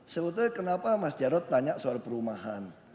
sebetulnya kenapa mas jarod tanya soal perumahan